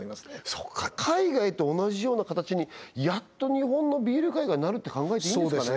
そうか海外と同じような形にやっと日本のビール界がなるって考えていいんですかね？